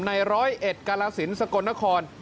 ในร้อยเอ็ดกาลาศิลป์สกลนคร